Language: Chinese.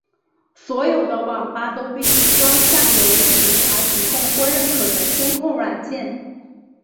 所有的网吧都必须装上由警察提供或认可的监控软件。